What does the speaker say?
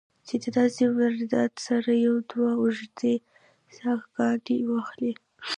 چې د داسې واردات سره يو دوه اوږدې ساهګانې واخلې